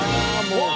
うわ！